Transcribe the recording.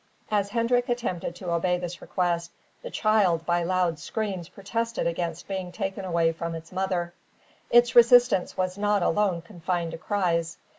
As Hendrik attempted to obey this request, the child by loud screams protested against being taken away from its mother. Its resistance was not alone confined to cries.